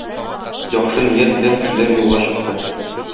Яхшы ният белән кешеләр юлга чыкты.